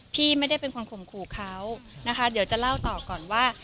พี่ไม่ได้เป็นคนข่มขู่เขานะคะเดี๋ยวจะเล่าต่อก่อนว่า